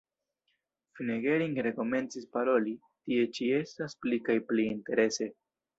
Fine Gering rekomencis paroli: « Tie ĉi estas pli kaj pli interese ».